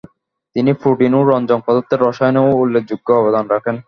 তিনি প্রোটিন ও রঞ্জক পদার্থের রসায়নেও উল্লেখযোগ্য অবদান রাখেন।